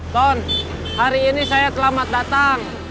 ton hari ini saya selamat datang